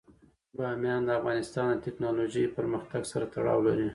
بامیان د افغانستان د تکنالوژۍ پرمختګ سره تړاو لري.